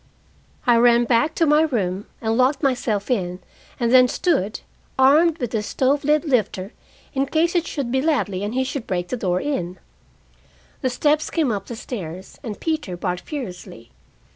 I ran back to my room and locked myself in, and then stood, armed with the stove lid lifter, in case it should be Ladley and he should break the door in. The steps came up the stairs, and Peter barked furiously.